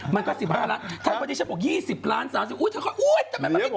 มันก็๑๕ล้านถ้าพอที่ชะพุทธ๒๐ล้าน๓๐ล้านอุ๊ยทำไมมันมีแตกต่อ